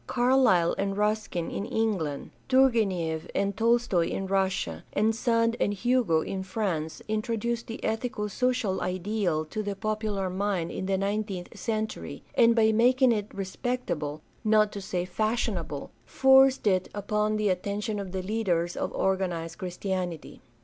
Carlyle and Ruskin in England, Turgenieff and Tolstoi in Russia, and Sand and Hugo in France introduced the ethico social ideal to the popular mind of the nineteenth century, and by making it respectable, not to say fashionable, THE DEVELOPMENT OF MODERN CHRISTIANITY 473 forced it upon the attention of the leaders of organized Christianity.